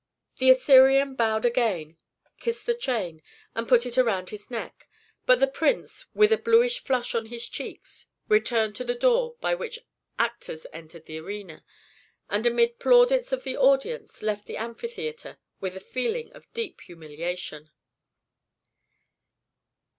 The Assyrian bowed again, kissed the chain, and put it around his neck. But the prince, with a bluish flush on his cheeks, returned to the door by which actors entered the arena, and amid plaudits of the audience left the amphitheatre with a feeling of deep humiliation.